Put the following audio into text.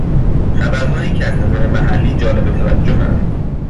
خبرهایی که از نظر محلی جالب توجهاند